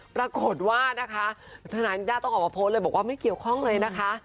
ปรากฏว่านะคะทนายนิด้าต้องออกมาโพสต์เลยบอกว่าไม่เกี่ยวข้องเลยนะคะ